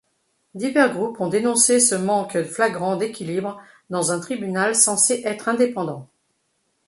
Divers groupes ont dénoncé ce manque flagrant d'équilibre dans un tribunal censé être indépendant.